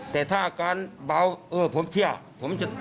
แต่ถ้าอาการเบาเออผมเชื่อผมจะ